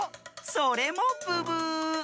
それもブブー！